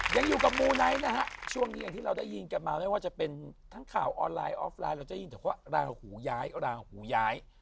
ยังอยู่กับมูไนท์นะฮะช่วงนี้อย่างที่เราได้ยินกันมาไม่ว่าจะเป็นทั้งข่าวออนไลน์ออฟไลน์เราจะยินแต่ว่าราหูย้ายราหูย้าย